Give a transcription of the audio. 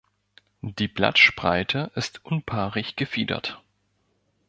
Die Blattspreite ist unpaarig gefiedert.